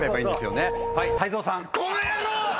この野郎！